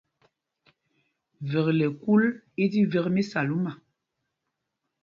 Vekle kûl i tí vek mí Salúma.